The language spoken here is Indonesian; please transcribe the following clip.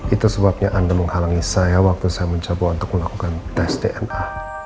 itu sebabnya anda menghalangi saya waktu saya mencoba untuk melakukan tes dna